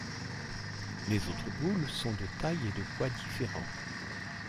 Les autres boules sont de tailles et de poids différents.